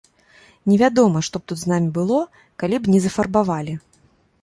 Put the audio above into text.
Невядома, што б тут з намі было, калі б не зафарбавалі.